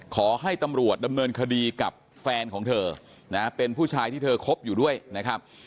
ขอให้ตำรวจดำเนินคดีกับแฟนของเธอนะเป็นผู้ชายที่เธอคบอยู่ด้วยนะครับ